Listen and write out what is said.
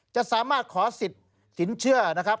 จะสามารถขอสิทธิ์สินเชื่อนะครับ